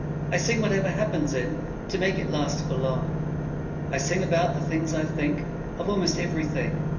I sing whatever happens in, To make it last for long. I sing about the things I think Of almost everything.